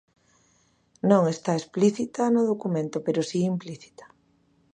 Non está explícita no documento, pero si implícita.